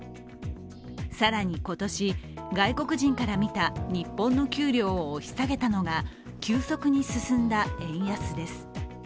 更に今年、外国人から見た日本の給料を押し下げたのが急速に進んだ円安です。